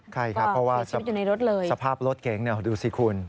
ใช่ครับเพราะว่าสภาพรถเก๋งดูสิคุณ